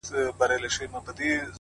دوى خو، له غمه څه خوندونه اخلي،